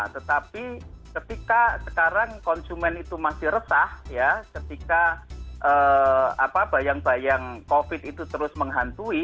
tetapi ketika sekarang konsumen itu masih resah ya ketika bayang bayang covid itu terus menghantui